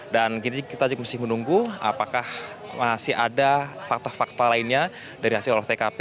dan kita juga masih menunggu apakah masih ada fakta fakta lainnya dari hasil oleh tkp